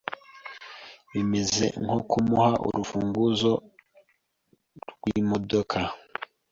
bimeze nko kumuha urufunguzo rw’imodoka